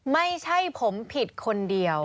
ไม่ใช่ผมผิดคนเดียว